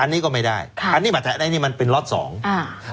อันนี้ก็ไม่ได้ค่ะอันนี้มาแทะอันนี้มันเป็นล็อตสองอ่า